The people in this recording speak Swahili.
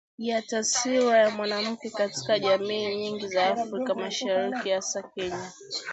ya taswira ya mwanamke katika jamii nyingi za Afrika mashariki hasa Kenya